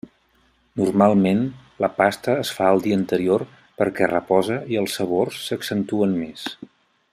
Normalment la pasta es fa el dia anterior perquè repose i els sabors s'accentuen més.